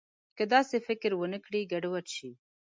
که داسې فکر ونه کړي، ګډوډ شي.